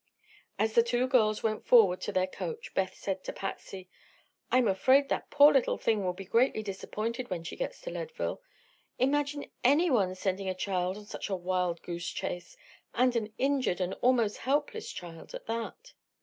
As the two girls went forward to their coach Beth said to Patsy: "I'm afraid that poor thing will be greatly disappointed when she gets to Leadville. Imagine anyone sending a child on such a wild goose chase and an injured and almost helpless child, at that!"